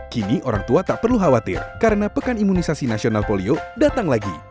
kini orang tua tak perlu khawatir karena pekan imunisasi nasional polio datang lagi